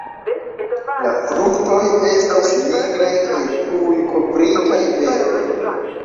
La fruktoj estas nigraj kaj prujkovritaj beroj.